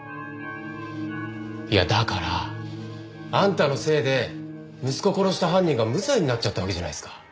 いやだからあんたのせいで息子殺した犯人が無罪になっちゃったわけじゃないっすか。